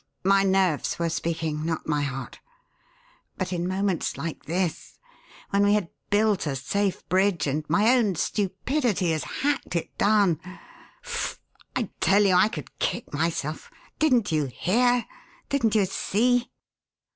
My nerves were speaking, not my heart. But in moments like this when we had built a safe bridge, and my own stupidity has hacked it down Faugh! I tell you I could kick myself. Didn't you hear? Didn't you see?"